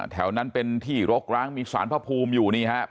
แถวนั้นเป็นที่รกร้างมีสารพระภูมิอยู่นี่ครับ